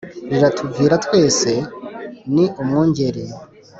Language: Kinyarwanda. Riratuvira twese ni umwungeri